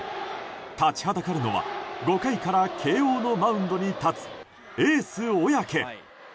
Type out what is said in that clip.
立ちはだかるのは５回から慶応のマウンドに立つエース、小宅。